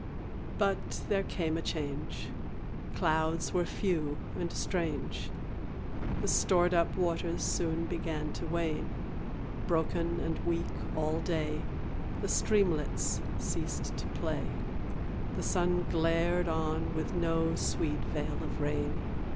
But there came a change, Clouds were few and strange The stored up waters soon began to wane; Broken and weak all day, The streamlets ceased to play, The sun glared on with no sweet veil of rain.